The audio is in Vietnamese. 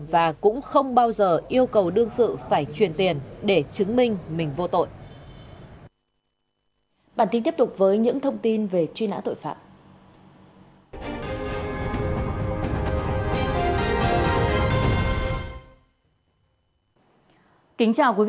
và cũng không bao giờ yêu cầu đương sự phải truyền tiền để chứng minh mình vô tội